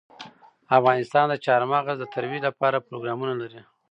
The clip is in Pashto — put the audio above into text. افغانستان د چار مغز د ترویج لپاره پروګرامونه لري.